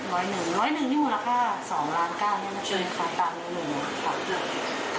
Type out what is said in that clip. ร้อยหนึ่งร้อยหนึ่งนี่มูลค่าสองล้านก้านใช่ไหมครับตามหนึ่งหนึ่งครับ